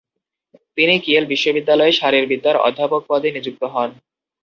তিনি কিয়েল বিশ্ববিদ্যালয়ে শারীরবিদ্যার অধ্যাপক পদে নিযুক্ত হন।